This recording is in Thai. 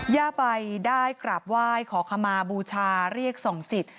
ย่าใบได้กราบไหว้ขอขมาบูชาเรียกส่องจิต